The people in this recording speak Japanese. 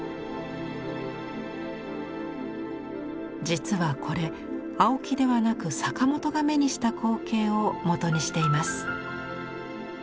実はこれ青木ではなく坂本が目にした光景をもとにしています。